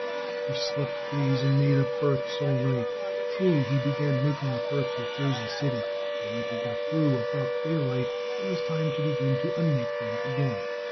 He slept days and made up berths all night. Truly, he began making up berths at Jersey City, and when he got through, about daylight, it was time to begin to unmake them again.